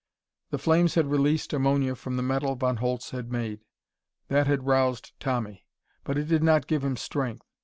The flames had released ammonia from the metal Von Holtz had made. That had roused Tommy. But it did not give him strength.